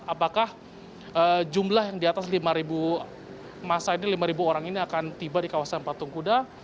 apakah jumlah yang di atas lima masa ini lima orang ini akan tiba di kawasan patung kuda